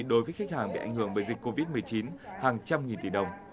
đối với khách hàng bị ảnh hưởng bởi dịch covid một mươi chín hàng trăm nghìn tỷ đồng